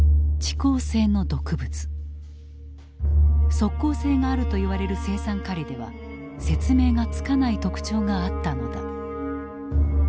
即効性があるといわれる青酸カリでは説明がつかない特徴があったのだ。